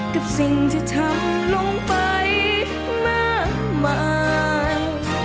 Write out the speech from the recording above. กับสิ่งที่ทำลงไปมากมาย